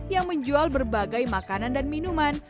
yang menjual berbagai makanan dan minuman